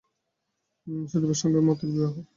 সুদেবের সঙ্গে মতির বিবাহ?